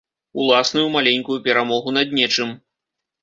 Уласную маленькую перамогу над нечым.